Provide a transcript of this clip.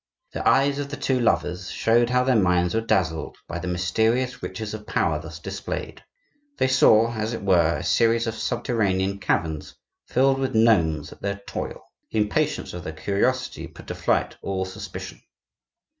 The eyes of the two lovers showed how their minds were dazzled by the mysterious riches of power thus displayed; they saw, as it were, a series of subterranean caverns filled with gnomes at their toil. The impatience of their curiosity put to flight all suspicion.